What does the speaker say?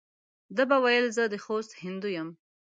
ده به ویل زه د خوست هندو یم.